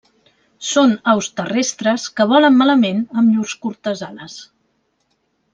Són aus terrestres que volen malament amb llurs curtes ales.